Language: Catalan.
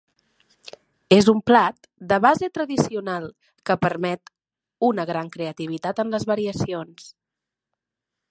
És un plat de base tradicional que permet una gran creativitat en les variacions.